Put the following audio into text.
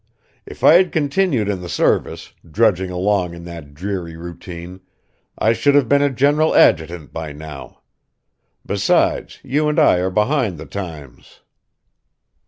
If I had continued in the service, drudging along in that dreary routine, I should have been a general adjutant by now. Besides, you and I are behind the times."